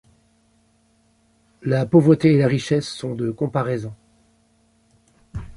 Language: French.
La pauvreté et la richesse sont de comparaison.